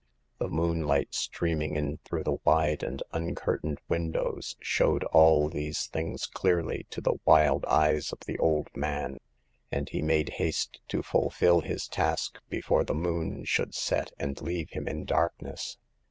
The moonlight streaming in through the wide and uncurtained windows showed all these things clearly to the wild eyes of the old man ; and he made haste to fulfil his task before the moon should set and leave him in darkness.